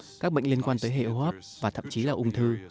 như bệnh tim các bệnh liên quan tới hệ hô hấp và thậm chí là ung thư